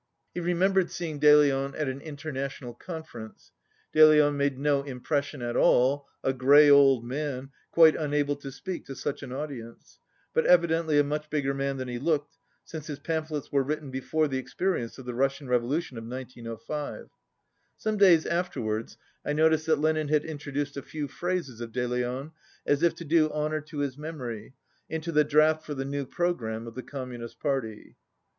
He remembered see ing De Leon at an International Conference. De Leon made no impression at all, a grey old man, quite unable to speak to such an audience: but evidently a much bigger man than he looked, since his pamphlets were written before the ex perience of the Russian Revolution of 1905. Some days afterwards I noticed that Lenin had introduced a few phrases of De Leon, as if to do honour to his memory, into the draft for the new programme of the Communist party.